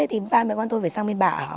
thì ba mẹ con tôi phải sang bên bà